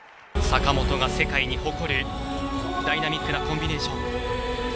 坂本が世界に誇るダイナミックなコンビネーション。